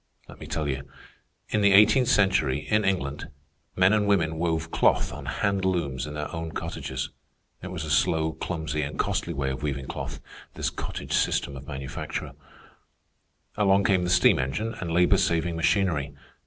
Let me tell you. In the eighteenth century, in England, men and women wove cloth on hand looms in their own cottages. It was a slow, clumsy, and costly way of weaving cloth, this cottage system of manufacture. Along came the steam engine and labor saving machinery.